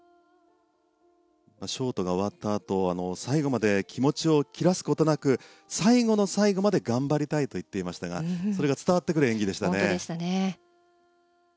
ショートが終わったあと最後まで気持ちを切らすことなく最後の最後まで頑張りたいと言っていましたがそれが伝わってくる演技でしたね。